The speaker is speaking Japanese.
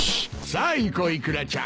さあ行こうイクラちゃん。